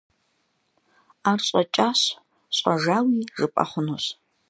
Ар щӀэкӀащ, щӀэжауи жыпӀэ хъунущ.